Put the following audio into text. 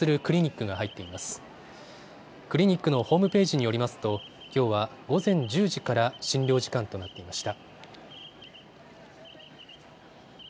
クリニックのホームページによりますときょうは午前１０時から診療時間となっていました。